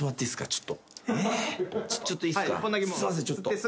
ちょっと。